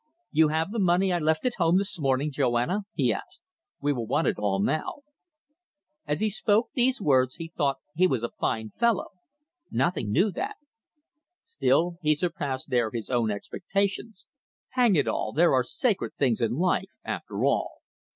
"You have the money I left at home this morning, Joanna?" he asked. "We will want it all now." As he spoke those words he thought he was a fine fellow. Nothing new that. Still, he surpassed there his own expectations. Hang it all, there are sacred things in life, after all.